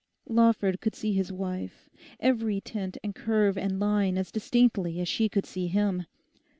Lawford could see his wife—every tint and curve and line as distinctly as she could see him.